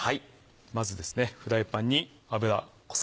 まずフライパンに油。